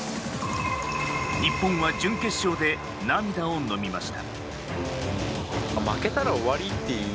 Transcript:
日本は準決勝で涙をのみました。